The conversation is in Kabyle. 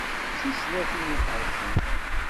D tislatin iḥerzen.